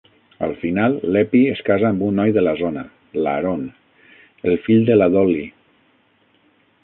Al final, l'Eppie es casa amb un noi de la zona, l'Aaron, el fill de la Dolly.